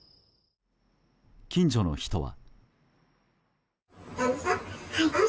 近所の人は。